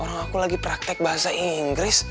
orang aku lagi praktek bahasa inggris nih ya